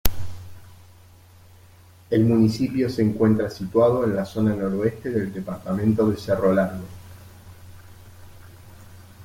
El municipio se encuentra situado en la zona noroeste del departamento de Cerro Largo.